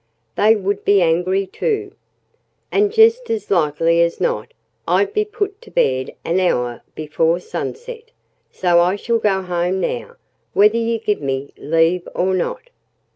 They would be angry, too. And just as likely as not I'd be put to bed an hour before sunset. So I shall go home now, whether you give me leave or not."